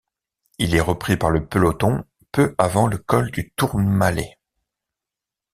Il est repris par le peloton peu avant le col du Tourmalet.